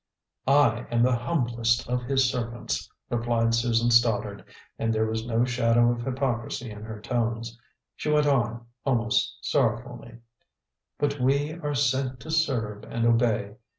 "I am the humblest of His servants," replied Susan Stoddard, and there was no shadow of hypocrisy in her tones. She went on, almost sorrowfully: "But we are sent to serve and obey.